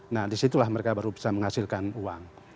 nah disitulah mereka baru bisa menghasilkan uang